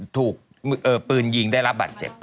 ถูกปืนยิงได้รับบัตรเจ็บ